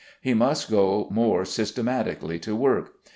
He must go more systematically to work.